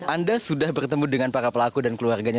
anda sudah bertemu dengan para pelaku dan keluarganya